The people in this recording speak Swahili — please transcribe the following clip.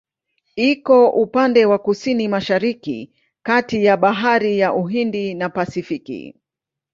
Iko upande wa Kusini-Mashariki kati ya Bahari ya Uhindi na Pasifiki.